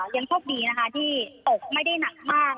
ยังโชคดีนะคะที่ตกไม่ได้หนักมาก